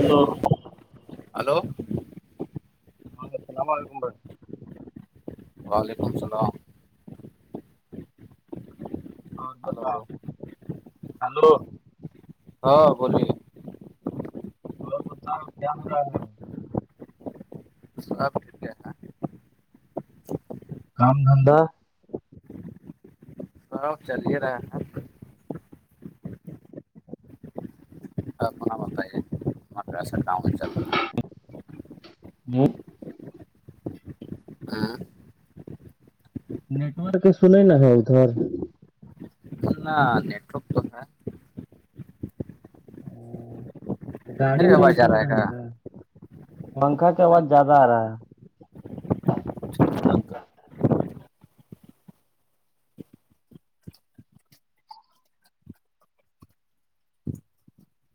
Hello [unintelligible] hello [unintelligible] ہاں السلام علیکم بھائی وعلیکم السلام اور ہلو بتاؤ ہلو ہاں بولیے وہ بتا کیام را سب ٹھیک ہے کام دھندا ب چلیے رہا م بتے م پ س کام ہی چلو ہے ہ [inaudible] ہاں نیٹوورک سن نا ہدر نہ نیٹ وورک توکا گاڑی نہیں وڑی میں آواز آ چل رہا ہے رہے گا ہیں س پنکھا کی آواز نہیں زیادہ آ رہا ہے کچھ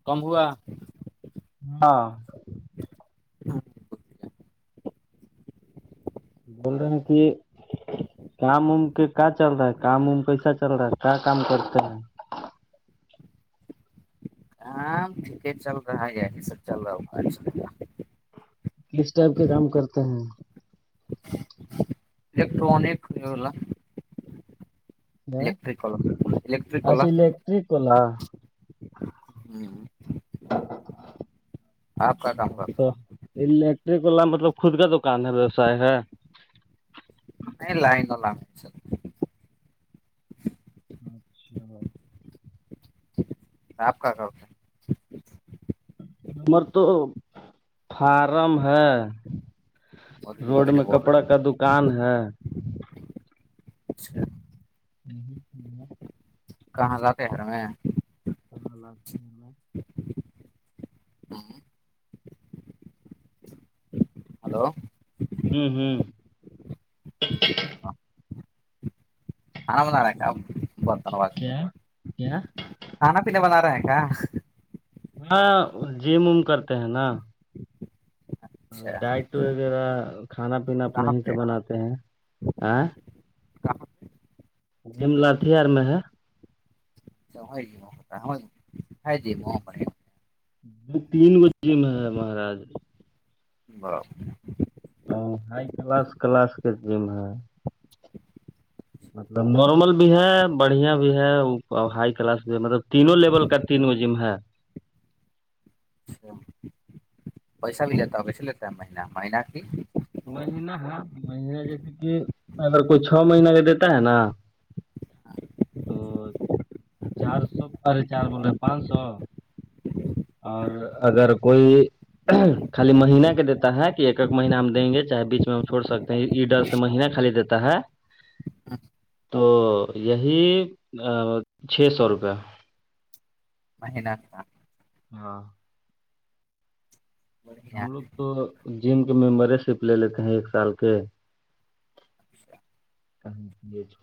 کم ہوا ہاں بول رہے ہیں نا کہ کام وم کے کیا چل رہا ہے کام وم کیسا چل رہا ہے کیا کام کرتے ہیں ہاں ٹھیک چل رہا ہے یہی سب چل رہا ہو ڈس ٹائپ کے کام کرتے ہیں الیکٹرانک الیکٹرک ک الیکٹرک واللا ج کلا ہوں [unintelligible] کام کرتا تو الیکٹرک والا مطلب خود کا دکان ہے ویوساائے ہے ان ل ان ل [unintelligible] اچھا بھائی سابپ کااتا [unintelligible] ہمر تو فارم ہے مودی جی روڈ والے جو میں بول رہے کپڑا کا دکان ہے ہیں ہ ہ [inaudible] کہاں جاتے ہےر میں نا لگتیا ہلو ہوں ہوں ج [unintelligible] آام کا بتوات کیا کیا کھانا پینے بنا رہے ہیں کیا ہاں جیم وم کرتے ہیں نا اچھا ڈائٹ وغیرہ کھانا پینا اپنا کہاں ہی پہ سے بناتے ہیں ا کہاں پہ؟ جم لتھیر میں ہے اچا جیتا جی وہ دو تین بجے میں ہے مہاراج برابر ہ ہائی کلاس کلاس کے جم ہے مطلب نارمل بھی ہے بڑھیا بھی ہے ہائی کلاس بھی ہے مطلب تینوں لیول کا تین گ جم ہے پیسہ بھی جاتتا ہوگ س لیتا ہے مہینہ مہینہ کی مہینہ ہے مہنے جیسے کہ اگر کوئی چھ مہینہ کا دیتا ہے نا تو چار سو ا رہے چار بول رہے پانچ سو اور اگر کوئی خالی مہین کے دیتا ہے کہ ایک ایک مہین ہم دیں گے چاہے بیچ میں ہم چھوڑ سکتے ہیں ای ڈسٹ مہینہ خالی دیتا ہے تو یہی چھ سو روپے مہین ہاں ہم بڑھیا لوگ تو جم کے ممبر شپ لے لیتے ہیں ایک سال کے اچھا ہاں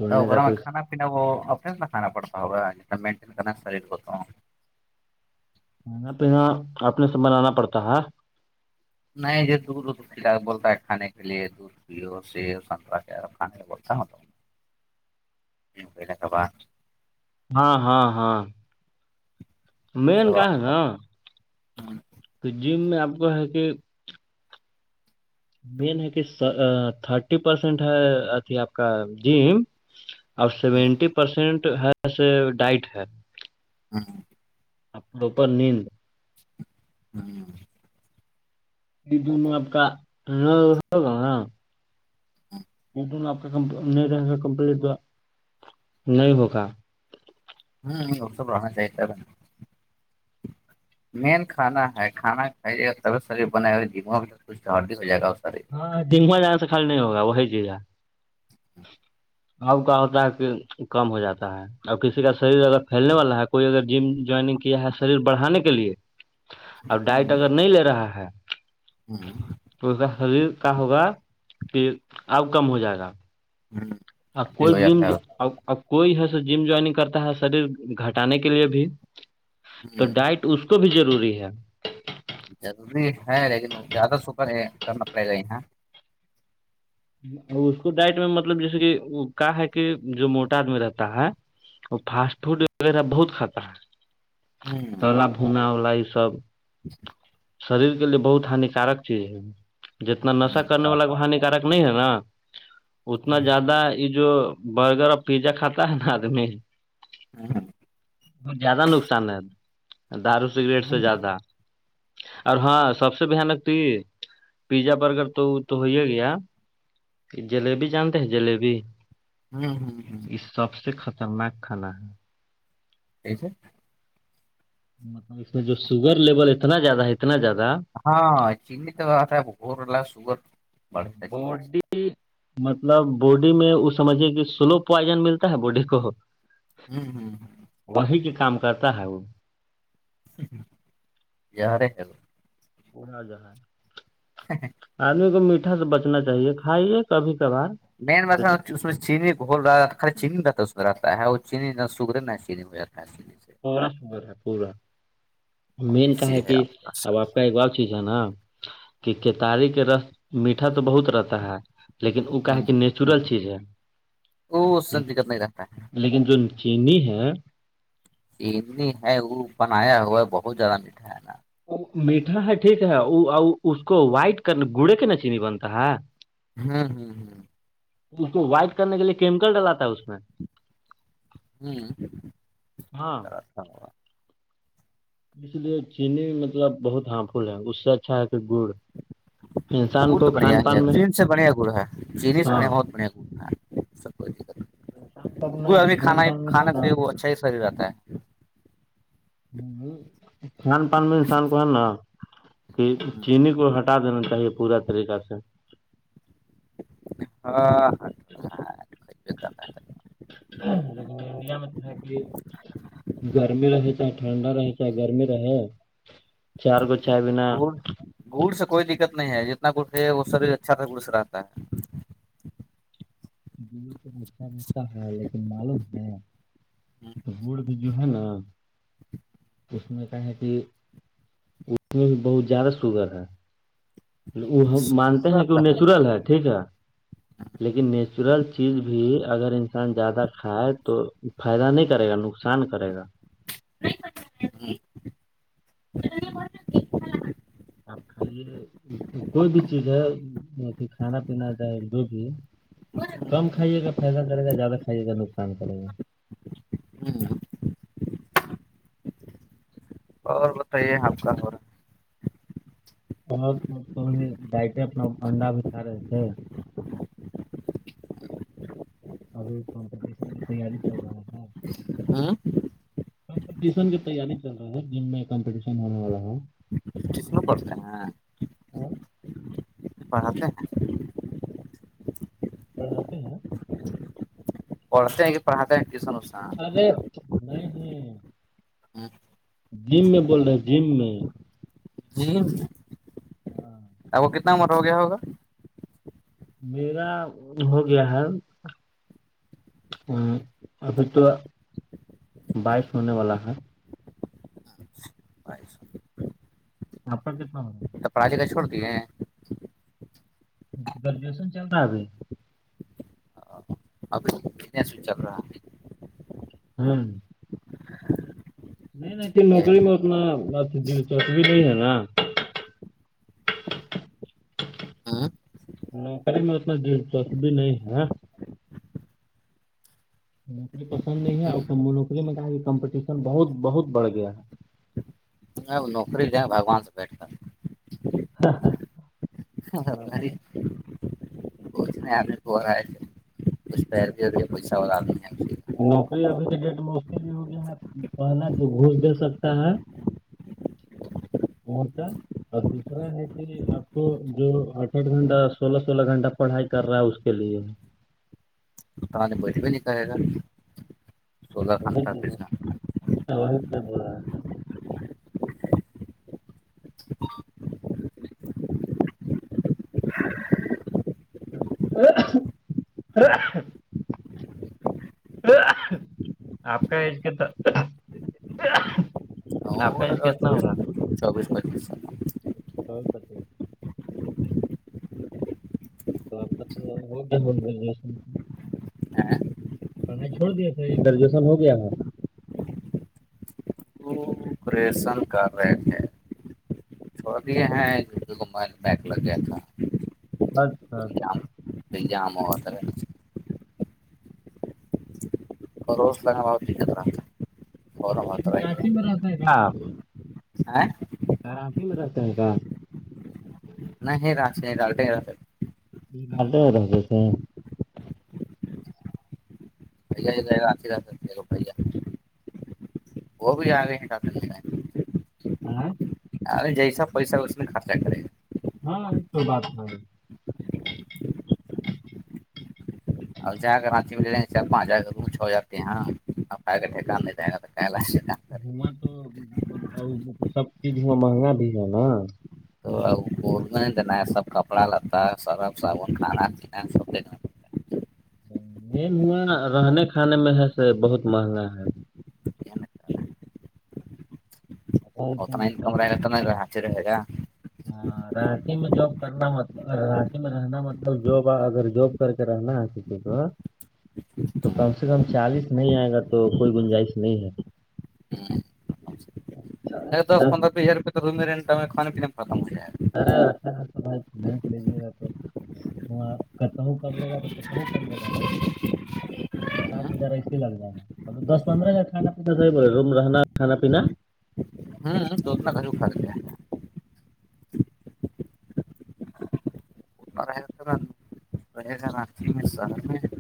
ج اا میں کانا پینا وہ اپنے سے نہ کھانا پڑتا ہوگاناٹ کرنا شریر کو تو کھانا پینا اپنے سے بنانا پڑتا ہے نہیں یہ دور کلا بولتا ہے کھانے کے لیے دور پ سے ستراس کھان بتا ہوتا کابا ہاں ہاں ہاں مین کہاں ن ہاں تو جم میں آپ کو ہے کہ مین ہے کہ تھرٹی پرسینٹ ہے اھی آپ کا جم اور ہ سیونٹی پرسینٹ ہے ڈائٹ ہے ہاں ہاں اھر اوپر نیند ہاں یہ دونوں آپ کا ہوگا نا آپ کا نہیں رہ کمپلیٹ نہیں ہوگا ہوں وہ سب رہنا چاہیتے [inaudible] مین کھانا ہے کھانا کےبیت بنے ہوادی ہو جائے گا ہاں دنگواں جانے سے کل نہیں ہوا وہی چیز ہے [inaudible] اؤ کا ہوتا ہے کہ کم ہو جاتا ہے ا کسی کا شریر اگر پھیلنے والا ہے کوئی اگر جم جوائننگ کیا ہے شریر بڑانے کے لیے اور ڈائٹ ہوں اگر لے رہا ہے ہاں تو اس کا خریر کا ہوگا کہ اب کم ہو جائے گا آ ہڈی کوئی ہو بھی جاتا اب کوئی ایسا جم جوائنگ کرتا ہے شریر گھٹانے کے لیے بھی ہے تو ڈائٹ اس کو بھی ضروری ہے ضروری ہے لیکن زیادہ سپر کرنا پڑے گا یہاں اس کو ڈائٹ میں مطلب جیسے کہ کا ہے کہ جو موٹا آدمی رہتا ہے وہ فاسٹ فوڈ وغیرہ بہت کھاتا ہے توا بھنا ولا یہ سب جی شریر کے لیے بہت ہانیکارک چیز ہے جتنا نشا یہ تو کرنے والا بات ہے ہانار نہیں ہے نا اتنا زیادہ یہ جو برگر اور پیزا کاتا ہے نا آدمی ب زیادہ نقصان ہے دارو سگریٹ سے زیادہ اور ہاں سب سے بانک تو یہ پیزا برگر تو تو ہو ہے گیا جلیبی جانتے ہیں جلیبی ہوں ہوں ہ یہ سب سے خطرناک کھانا ہے یہسے مطلب اس میں جو شوگر لیول اتنا زیادہ ہے اتنا زیادہ ہاں چیننی تو ا گورلہ سگر باڈی مطلب باڈی میں وہ سمجھیے کہ سلو پوائزن ملتا ہے باڈی کو ہوں ہوں ہ وہی کی کام کرتا ہے وہ یار ہےل وہنا ج ہے سی آدمی کو میٹھا سے بچنا چاہیے کھائیے کبھی کبھار مین وسا جیسے اس میں چینی ہوول رہا ہے چینی آتا ہے اور چینی سگر چینی ہو جاتا ہے چی سے پا شر ہے پورا اور مین یہ کہ ہے چیز کہ آپ کا اب آپ کا ایک بار چیز ہے نا کہ کیتاری کے رس میٹھا تو بہت رتا ہے لیکن وہ کا سا کہ نیچورل چیز ہے وہ اس سے لیکن دقت نہیں رہتا ہے لیکن جو چینی ہے انی ہے وہ بنایا ہوا ہے بہت زیادہ میٹھا ہے نا میٹھا ہے ٹھیک ہے اس کو وائٹ کر گڑے کے ن چینی بنتا ہے ہاں ہاں ہاں اس کو وائٹ کرنے کے لیے کیمیکل ڈلاتا ہے اس میں ہوں ہاں برس ہ اس لیے چینی مطلب بہت ہارم فل ہے اس سے اچھا ہے کہ گڑ انسان گڑ تو کو بڑھیا کھان ہے پان میں چین سے بڑھیا گڑ ہے چینی سے ہاں بڑھیا بہت بڑھیا گڑ ہے سب کوئی دقت کھان پان نہیں کو میں ابھی کھانا کھان ہی پان میں ہے کھانا نا پے وہ اچھا ہی سریر رہتا ہے کھان پان میں انسان کو ہے نا کہ چینی کو ہٹا دینا چاہیے پورا طریقہ سے ہاں لیکن انڈیا میں تو ہے کہ گرمی رہے چاہ ٹھنڈا رہے چاہ گرمی رہے چار گو چائے بنا گڑ گڑ سے کوئی دقت نہیں ہے جتنا گڑھ ہے وہ شریر اچھا سے گڑ سے رہتا ہے گ تو اچھا رہتا ہے لیکن معلوم ہے گڑ یہ جو ہے نا اس میں کیا ہے کہ اس میں بھی بہت زیادہ شوگر ہے وہ ہم مانتے صبح ہیں کہ وہ کا نیچرل ہے ٹھیک ہے لیکن نیچورل چیز بھی اگر انسان زیادہ کھائے تو فائدہ نہیں کرے گا نقصان کرے گا نہیں کر گ نہیں گ آپ کھائیے کوئی بھی چیز ہے ا کھانا پینا چاہ جو بھی کم کھائیے کاا فائدہ کرے گا زیادہ کھائیے کاا نقصان کرے گا ہوں اور بتائیے آپ کا تھورا اور تو ڈائٹ اپنا انڈا بھی کھ رہے تھے ابھی کمپٹیشن میں تیاری چل رہا تھا ہاں کمپٹیشن کی تیاری چل رہی ہے جن میں کمپٹیشن ہونے والا ہوں سم بتا ہیںا ہاں پڑھاتتے ہیں پڑھاتے ہیں اورڑتے آ گ پ پرہا ہ آ گی س ارے نہیں جم میں بول رہے ہیں جم میں ج ہاں ا وہ کتنا ممر ہو گیا ہوگا میرا ہو گیا ہے ابھی تو بائف ہونے والا ہے بش آپ کا کتنا ہوگ گا تو پراجی کا چھوڑتی ہیں گرجوشن چل رہا ابھی ابھیس بھی چل رہا ہے ہوں نہیں نہیں کہ نوکری میں اتنا دلچسپی نہیں ہے نا نوکری میں اتناس بھی نہیں ہے نوکری پسند نہیں ہے اور نوکری میںب کمپٹیشن بہت بہت بڑھ گیا ہے ا اب نوکری دیں بھگوان سے بیٹھ کر ہاں ہاں کچ نہیں آ ب رہئے کچھ پیر پیسہ نوکری ابھی کے ڈیٹ میں مفکل ہی ہوگیا ن پہنا جو گھس دے سکتا ہے مورچا اور دوسرا ہے آپ کو جو اٹھ آٹھ گھنٹہ سولہ سولہ گھنٹہ پڑھائی کر رہا ہے اس کے لیے تو نے بھے بھی نہیں کہے گا سولہ وہ گھنٹہ پیچھے سے و سے بول رہاے [unintelligible] آپ کا ایج ک تو آے کیا چس چوبیس پچیس اچا کون س تو پپا تو ہوگیا ہو گیا پڑھائی چھوڑ دیا تھا یہ گریجویشن ہو گیا ہےاں آپریشن کر رہے ہیں تو ہے ج مبائ بیک لگ گیا تھا اچھا اچھا پ جام ہوگتار اور روز لگا بہت دقت رہا تھا ب رچ میں رہتا ہے آ ک آپ میں رہتے ہیں کا نہ ہے را ڈال ہے رہا ہو رہ تھے آ لوھیا وہ بھی آ رہے ہیں ڈ ہاں اے جیس پیس وس میں خاتا ک ہاں یہ تو بات نہیں اب جا کر راچی میں لےیں گے پانچ ہزار ر چ ہو جاتے ہیںاں ا ٹھیکان نہیں رہ گا ل گا [unintelligible] وہاں تو سب چیزاں مہنگا بھی ہے نا [unintelligible] تو آؤ [unintelligible] اسکول میں دین ہے سب کپڑا لتا سرف صابن کھانا پیین سب وہاں رہنے کھانے میں ہے سے بہت مہنگا ہے اور تم اتنا کے انکم پاس رہ ل تو میںر ہے گا [unintelligible] رش میں جاب کرنا مطلب رشی میں رہنا مطلب جاب اگر جاب کر کے رہنا ہے کسی کو تو کم گا سے کم چالیس نہیں آئے گا تو کوئی گنجائش نہیں ہے ہ ا دس پندرہ بیس ہزار روپئے تو رہین کانے پینے میں ختم ہو جائے گا ارے اھاا بھائی دیکھ لیجے گا تو وہاں کاتوں کم لے گا تو پھرتاوں کم لے گا نا [unintelligible] اس سات گا ہزار ایسے لگ جائے گا ط دس پندرہ ج کھانا پینا صاہ بولے روم رہنا کانا پینا دوودنا گھری خا ہے [unintelligible] مار ہترا [unintelligible] رہ گ آتی میں سال میں [unintelligible]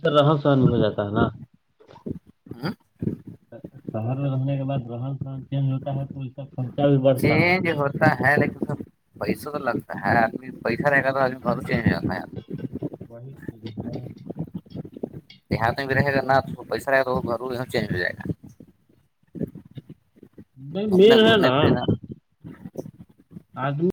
پھرر رہن سہن بھی ہو جاتا ہے نا [unintelligible] شہر میں رہنے کے بع رہن سہن چینج ہوتا ہے تو سب چینج ہو [unintelligible] ہے لیکن سر پیسہ تو لگتا ہے آدمی پیسہ رہے گا تو آدمی ب چینج ہو جا ہے وہی [unintelligible] دیہات میں بھی رہے گاو پیسہ رہ گا وہ گھروں چینج ہو جائے گا [unintelligible] نہیں اپنے مل ہے گھومنے نا پھرنا [unintelligible] آج